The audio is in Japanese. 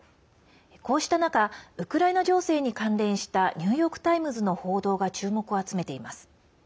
こうした中ウクライナ情勢に関連したニューヨーク・タイムズの報道が注目を集めています。